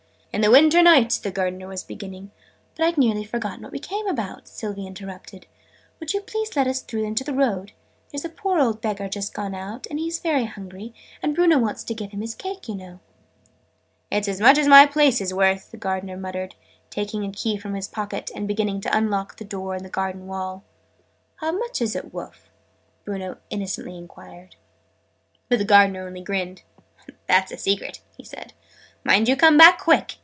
"In the winter nights " the Gardener was beginning. "But I'd nearly forgotten what we came about!" Sylvie interrupted. "Would you please let us through into the road? There's a poor old beggar just gone out and he's very hungry and Bruno wants to give him his cake, you know!" "It's as much as my place is worth!" the Gardener muttered, taking a key from his pocket, and beginning to unlock a door in the garden wall. "How much are it wurf?" Bruno innocently enquired. But the Gardener only grinned. "That's a secret!" he said. "Mind you come back quick!"